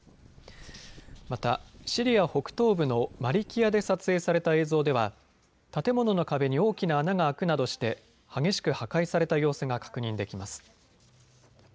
また、シリア北東部のマリキヤで撮影された映像では建物の壁に大きな穴が開くなどして激しく破壊された様子が確認できます。